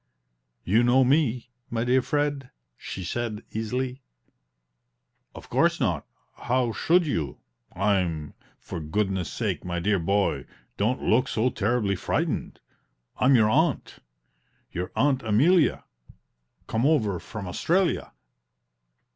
"You know me, my dear Fred?" she said, easily. "Of course not how should you? I'm for goodness sake, my dear boy, don't look so terribly frightened! I'm your aunt your aunt Amelia, come over from Australia!"